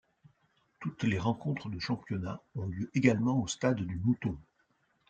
Toutes les rencontres de championnat ont lieu également au Stade du Mouton.